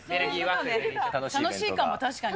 楽しいかも、確かに。